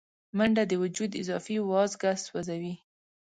منډه د وجود اضافي وازګه سوځوي